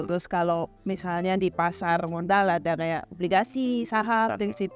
terus kalau misalnya di pasar modal ada kayak obligasi saham